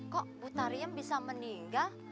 kok butariem bisa meninggal